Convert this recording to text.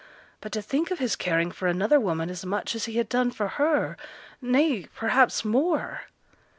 But to think of his caring for another woman as much as he had done for her, nay, perhaps more!